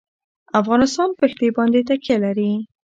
افغانستان په ښتې باندې تکیه لري.